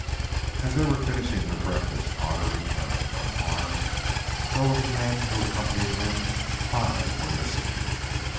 As they were finishing their breakfast Otter returned unharmed, though of the men who accompanied him five were missing.